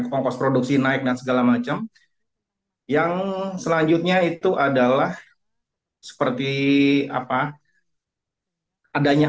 ongkos produksi naik dan segala macam yang selanjutnya itu adalah seperti apa adanya